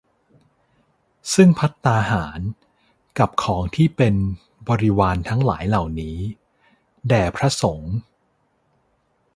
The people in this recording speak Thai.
ซึ่งภัตตาหาร กับของที่เป็นบริวารทั้งหลายเหล่านี้ แด่พระสงฆ์